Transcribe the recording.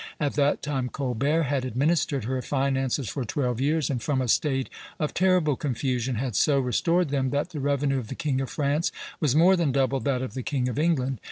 At that time Colbert had administered her finances for twelve years, and from a state of terrible confusion had so restored them that the revenue of the King of France was more than double that of the King of England.